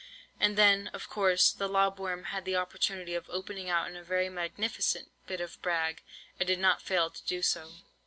"And then, of course, the lob worm had the opportunity of opening out in a very magnificent bit of brag, and did not fail to do so.